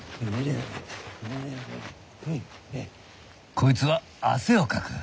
こいつは汗をかく。